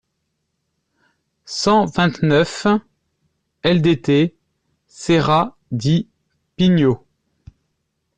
cent vingt-neuf ldt Serra Di Pigno